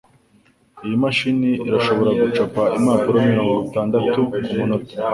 Iyi mashini irashobora gucapa impapuro mirongo itandatu kumunota.